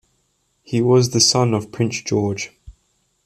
He was the son of Prince George.